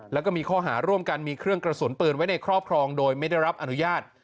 แล้วก็มีข้อหาร่วมกันมีเครื่องกระสุนปืนไว้ในครอบครองโดยไม่ได้รับอนุญาต